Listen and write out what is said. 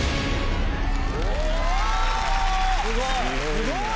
すごい。